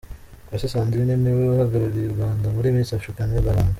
Uwase Sandrine ni we uhagarariye u Rwanda muri Miss Africa Netherland.